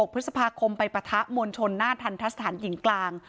พฤษภาคมไปปะทะมวลชนหน้าทันทะสถานหญิงกลาง